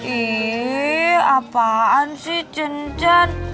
ih apaan sih cen cen